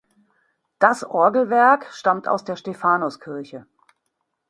Das Orgelwerk stammt aus der Stephanuskirche.